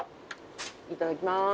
いただきます。